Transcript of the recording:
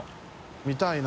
見たいな。